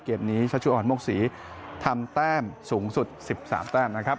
นี้ชัชชุออนโมกศรีทำแต้มสูงสุด๑๓แต้มนะครับ